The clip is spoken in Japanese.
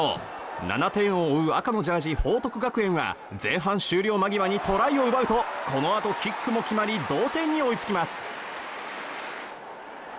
７点を追う赤のジャージー報徳学園は前半終了間際にトライを奪うとこのあとキックも決まり同点に追いつきます。